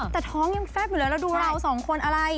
แต่ท้องยังแฟบอยู่เลยเราดูเราสองคนอะไร